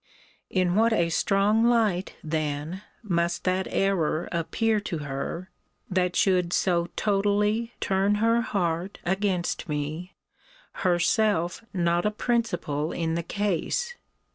In what a strong light, then, must that error appear to her, that should so totally turn her heart against me, herself not a principal in the case?